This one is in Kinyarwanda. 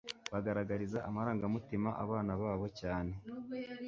bagaragarizanya amarangamutima abana babo cyane .